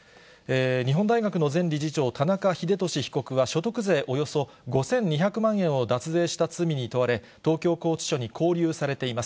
日本大学の前理事長、田中英壽被告は、所得税およそ５２００万円を脱税した罪に問われ、東京拘置所に勾留されています。